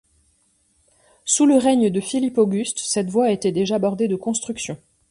Sous le règne de Philippe Auguste, cette voie était déjà bordée de constructions.